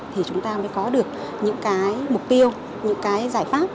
thì chúng ta mới có được những cái mục tiêu những cái giải pháp